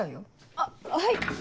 あっはい。